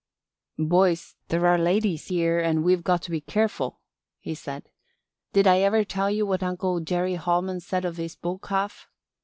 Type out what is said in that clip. "Boys, there are ladies here and we've got to be careful," he said. "Did I ever tell you what Uncle Jerry Holman said of his bull calf?